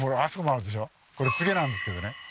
これ柘植なんですけどね